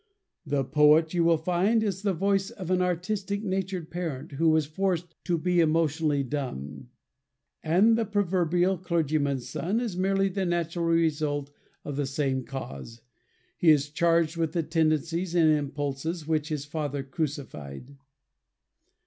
The poet, you will find, is the voice of an artistic natured parent, who was forced to be emotionally dumb. And the proverbial clergyman's son is merely the natural result of the same cause. He is charged with the tendencies and impulses which his father crucified.